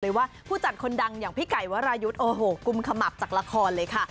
ว่าผู้จัดคนดังอย่างพี่ไก่วรายุทธ์โอ้โหกุมขมับจากละครเลยค่ะ